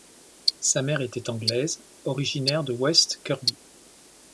Sa mère était anglaise, originaire de West Kirby.